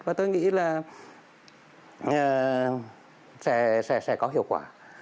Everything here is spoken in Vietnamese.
và tôi nghĩ là sẽ có hiệu quả